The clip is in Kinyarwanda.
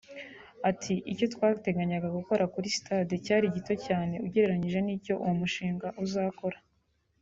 Ati “Icyo twateganyaga gukorera kuri Stade cyari gito cyane ugereranyije n’icyo uwo mushinga uzakora